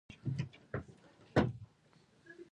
د نارنج ګل د خوب لپاره وکاروئ